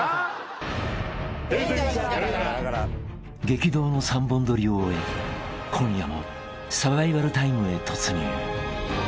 ［激動の３本撮りを終え今夜もサバイバルタイムへ突入］